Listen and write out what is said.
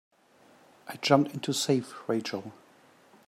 I jumped in to save Rachel.